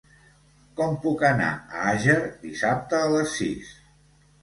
Com puc anar a Àger dissabte a les sis?